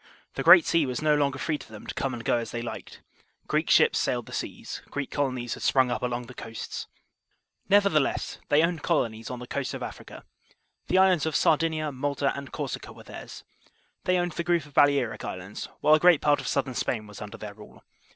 The Great Sea was no longer free to them to come and go as they liked. Greek ships sailed the seas, Greek colonies had sprung up along the coasts. Nevertheless they owned colonies on the coast ot Africa ; the islands of Sardinia, Malta, and Cor sica were theirs, they owned the group of Balearic Islands, while a great part of Southern Spain was under their rule.